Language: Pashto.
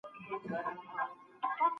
انسان سته.